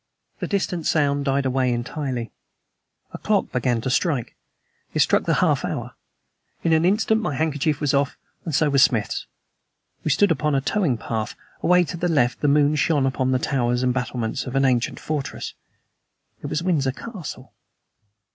The distant sound died away entirely. A clock began to strike; it struck the half hour. In an instant my handkerchief was off, and so was Smith's. We stood upon a towing path. Away to the left the moon shone upon the towers and battlements of an ancient fortress. It was Windsor Castle.